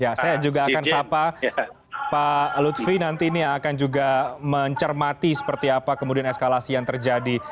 ya saya juga akan sapa pak lutfi nanti ini yang akan juga mencermati seperti apa kemudian eskalasi yang terjadi